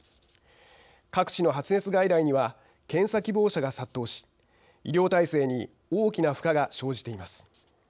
各地の発熱外来には検査希望者が殺到し医療体制に大きな負荷が生じています。